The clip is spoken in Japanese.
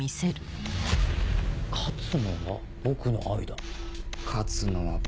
「勝つのは僕の愛だ」。